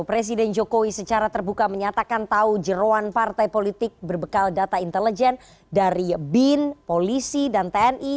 presiden jokowi secara terbuka menyatakan tahu jeruan partai politik berbekal data intelijen dari bin polisi dan tni